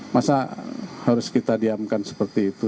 masa harus kita diamkan seperti itu